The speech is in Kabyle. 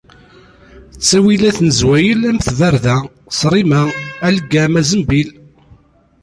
Ttawilat n zzwayel am tbarda, ṣṣrima, aleggam, azenbil.